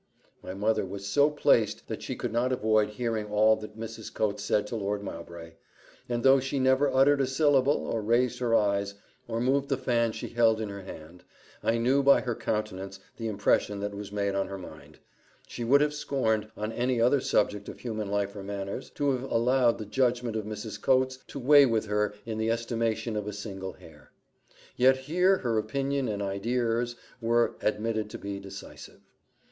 My mother was so placed that she could not avoid hearing all that Mrs. Coates said to Lord Mowbray; and though she never uttered a syllable, or raised her eyes, or moved the fan she held in her hand, I knew by her countenance the impression that was made on her mind: she would have scorned, on any other subject of human life or manners, to have allowed the judgment of Mrs. Coates to weigh with her in the estimation of a single hair; yet here her opinion and idears were admitted to be decisive.